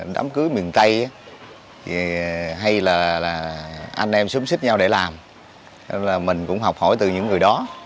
đám cưới miền tây hay là anh em xuống xích nhau để làm là mình cũng học hỏi từ những người đó